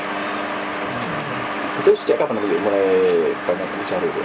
itu sejak kapan mulai banyak dicari bu